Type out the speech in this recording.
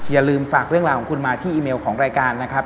อย่าลืมฝากเรื่องราวของคุณมาที่อีเมลของรายการนะครับ